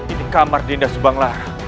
ini kamar denda subang lara